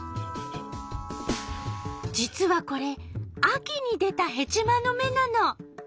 実はこれ秋に出たヘチマの芽なの。